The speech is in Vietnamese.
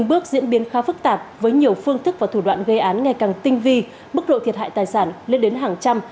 có nhiều phương thức và thủ đoạn gây án ngày càng tinh vi bức độ thiệt hại tài sản lên đến hàng trăm